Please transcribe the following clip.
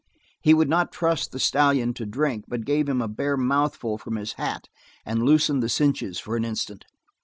He would not trust the stallion to drink, but gave him a bare mouthful from his hat and loosened the cinches for an instant.